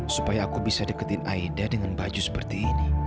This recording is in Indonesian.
supaya aku bisa deketin aida dengan baju seperti ini